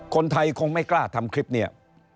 คนไทยคงไม่กล้าทำคลิปนี้